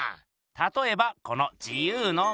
たとえばこの自由の女神。